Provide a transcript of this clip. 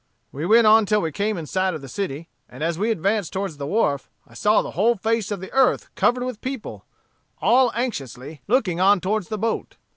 "We went on till we came in sight of the city and as we advanced towards the wharf, I saw the whole face of the earth covered with people, all anxiously looking on towards the boat.